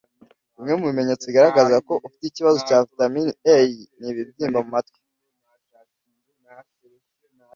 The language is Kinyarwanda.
Bimwe mu bimenyetso bigaragaza ko ufite ikibazo cya vitamini A ni ibibyimba mu matwi